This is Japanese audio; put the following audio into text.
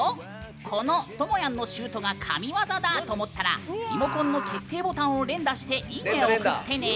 このともやんのシュートが神ワザだと思ったらリモコンの決定ボタンを押して「いいね！」を送ってね。